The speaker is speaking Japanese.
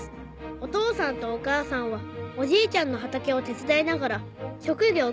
「お父さんとお母さんはおじいちゃんの畑を手伝いながらしょくぎょう